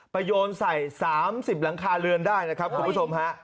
โยนใส่๓๐หลังคาเรือนได้นะครับคุณผู้ชมฮะ